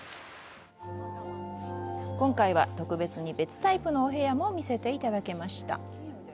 今回は特別に別タイプのお部屋も見せていただけました。